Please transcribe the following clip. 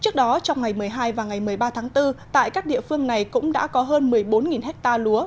trước đó trong ngày một mươi hai và ngày một mươi ba tháng bốn tại các địa phương này cũng đã có hơn một mươi bốn ha lúa